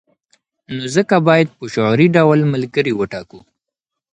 نو ځکه باید په شعوري ډول ملګري وټاکو.